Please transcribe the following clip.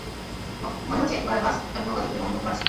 মনে হচ্ছে একই ভাড়ায় বাস এবং নৌকা দুটোতেই ভ্রমণ করতে পারছি।